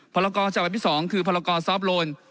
พลกชที่๒คือพลกซอฟต์โลน